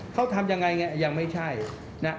เขาทำยังไงไงยังไม่ใช่นะ